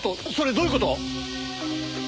どういう事？